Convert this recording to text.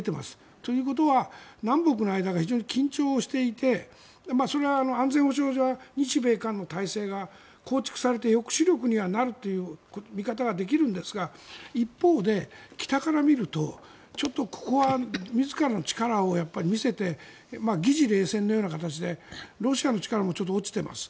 ということは南北の間が非常に緊張していてそれは安全保障上は日米韓の体制が構築されて抑止力になるという見方はできるんですが一方で、北から見るとちょっとここは自らの力を見せて疑似冷戦のような形でロシアの力もちょっと落ちています。